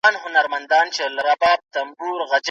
يوويشت دوه ويشت درويشت څلورويشت پنځه ويشت